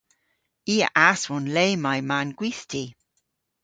I a aswon le may ma'n gwithti.